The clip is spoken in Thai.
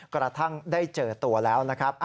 กระทั่งได้เจอตัวแล้วนะครับ